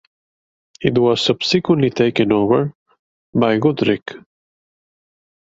It was subsequently taken over by Goodricke.